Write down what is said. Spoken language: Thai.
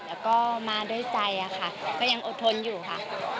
แล้วก็มาด้วยใจค่ะก็ยังอดทนอยู่ค่ะ